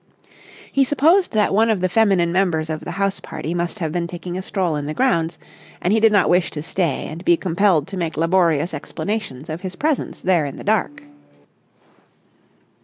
He supposed that one of the feminine members of the house party must have been taking a stroll in the grounds, and he did not wish to stay and be compelled to make laborious explanations of his presence there in the dark.